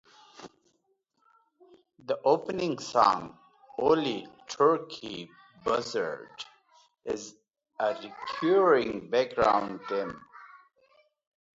The opening song, "Ole Turkey Buzzard", is a recurring background theme.